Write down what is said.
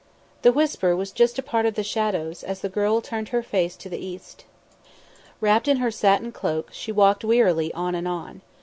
The whisper was just a part of the shadows, as the girl turned her face to the East. Wrapped in her satin cloak, she walked wearily on and on.